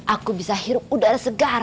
aku bisa hirup udara segar